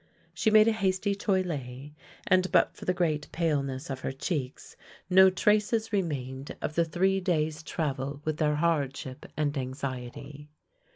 She made a hasty toilet, and but for the great paleness of her cheeks, no traces remained of the three days' travel with their hardship and anxiety.